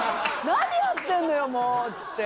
「何やってんのよもう！」っつって。